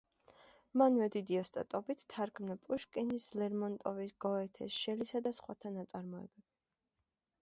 მანვე დიდი ოსტატობით თარგმნა პუშკინის, ლერმონტოვის, გოეთეს, შელის და სხვათა ნაწარმოებები.